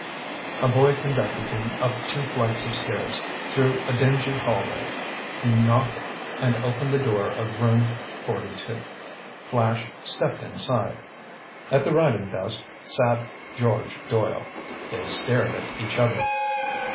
A boy conducted him up two flights of stairs, through a dingy hallway. He knocked and opened the door of Room 42. Flash stepped inside. At the writing desk sat George Doyle. They stared at each other.